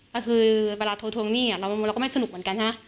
ก็คือเวลาโทรทวงหนี้เราก็ไม่สนุกเหมือนกันใช่ไหม